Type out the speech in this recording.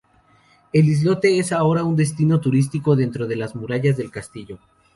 El islote es ahora un destino turístico dentro de las murallas del castillo.